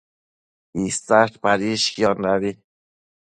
Isash padishquiondabi